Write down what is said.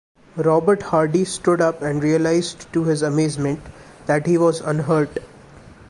Robert Hardy stood up and realised to his amazement that he was unhurt.